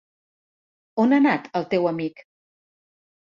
On ha anat, el teu amic?